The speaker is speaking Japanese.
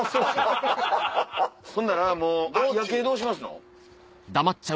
そんならもう夜景どうしますの？